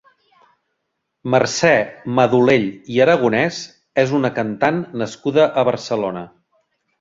Mercè Madolell i Aragonès és una cantant nascuda a Barcelona.